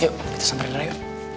yuk kita samperin raya